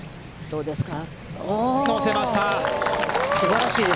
どうですか。